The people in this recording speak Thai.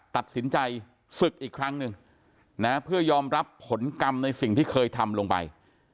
ตัดสินใจศึกอีกครั้งหนึ่งนะเพื่อยอมรับผลกรรมในสิ่งที่เคยทำลงไป